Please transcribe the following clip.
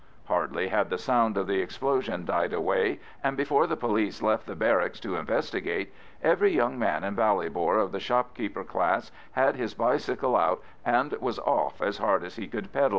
Hardly had the sound of the explosion died away, and before the police left the barracks to investigate, every young man in Ballybor of the shopkeeper class had his bicycle out and was off as hard as he could pedal.